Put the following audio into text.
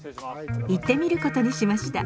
行ってみることにしました。